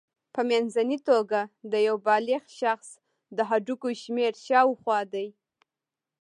په منځنۍ توګه د یو بالغ شخص د هډوکو شمېر شاوخوا دی.